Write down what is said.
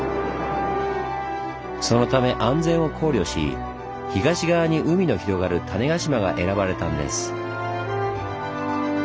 そのため安全を考慮し東側に海の広がる種子島が選ばれたんです。